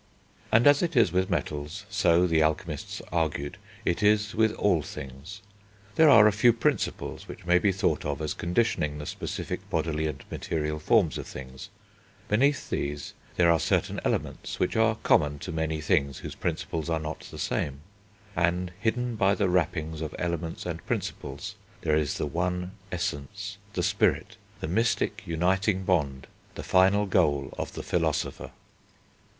And as it is with metals, so, the alchemists argued, it is with all things. There are a few Principles which may be thought of as conditioning the specific bodily and material forms of things; beneath these, there are certain Elements which are common to many things whose principles are not the same; and, hidden by the wrappings of elements and principles, there is the one Essence, the spirit, the mystic uniting bond, the final goal of the philosopher.